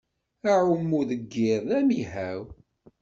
Aɛummu deg iḍ d amihaw.